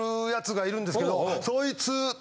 そいつと。